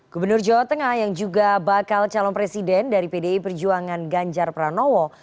gubernur jawa tengah yang juga bakal calon presiden dari pdi perjuangan ganjar pranowo